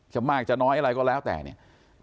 มากจะน้อยอะไรก็แล้วแต่เนี่ย